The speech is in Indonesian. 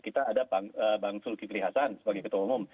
kita ada bang sulki pilih hasan sebagai ketua umum